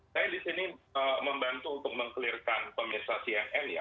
saya di sini membantu untuk meng clearkan pemirsa cnn ya